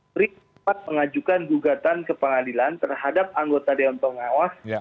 berikut empat pengajukan gugatan ke pengadilan terhadap anggota dewan penawas